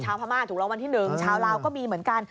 พม่าถูกรางวัลที่๑ชาวลาวก็มีเหมือนกัน